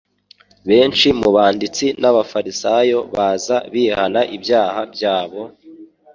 Benshi mu banditsi n'Abafarisayo baza bihana ibyaha byabo,